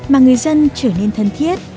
mà người dân trở nên thân thiết